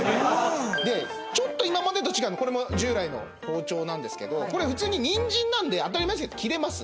でちょっと今までと違うのこれも従来の包丁なんですけどこれ普通にニンジンなんで当たり前ですけど切れます。